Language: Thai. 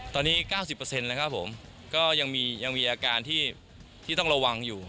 ตอนนี้๙๐นะครับผมก็ยังมีอาการที่ต้องระวังอยู่